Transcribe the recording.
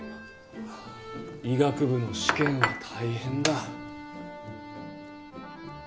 医学部の試験は大変だ。